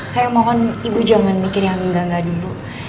saya mohon ibu jangan mikir yang enggak enggak dulu